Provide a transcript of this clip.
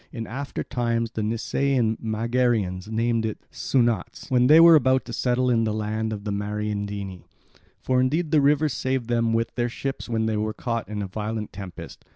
In after times the Nisaean Megarians named it Soonautes when they were about to settle in the land of the Mariandyni. For indeed the river saved them with their ships when they were caught in a violent tempest.